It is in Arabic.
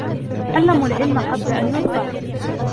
تَعَلَّمُوا الْعِلْمَ قَبْلَ أَنْ يُرْفَعَ